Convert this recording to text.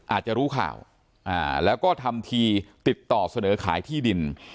อาจจะรู้ข่าวแล้วก็ทำทีติดต่อเสนอขายที่ดิน